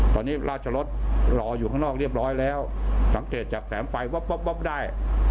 ตอนนี้ราชรสรออยู่ข้างนอกเรียบร้อยแล้วสังเกตจากแสงไฟวับได้